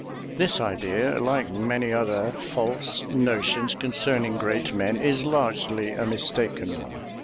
This idea, like many other false notions concerning great men, is largely a mistaken one.